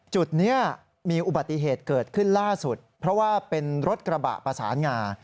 จุดนี้มีอุบัติเหตุเกิดขึ้นล่าสุดเพราะว่าเป็นรถกระบะประสานงา